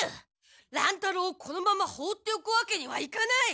乱太郎をこのまま放っておくわけにはいかない！